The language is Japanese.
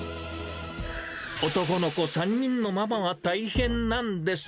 男の子３人のママは大変なんです。